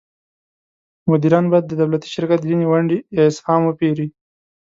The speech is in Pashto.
مدیران باید د دولتي شرکت ځینې ونډې یا اسهام وپیري.